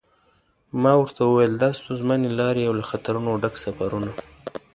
ما ورته و ویل دا ستونزمنې لارې او له خطرونو ډک سفرونه.